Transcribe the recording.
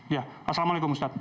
ya assalamualaikum ustadz